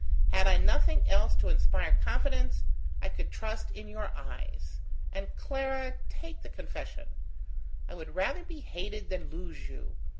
Had I nothing else to inspire confidence, I could trust in your eyes. And, Clara, take the confession: I would rather be hated than lose you.